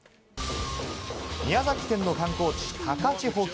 宮崎県の観光地・高千穂峡。